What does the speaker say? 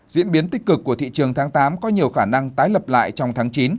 diễn biến tích cực của thị trường tháng tám có nhiều khả năng tái lập lại trong tháng chín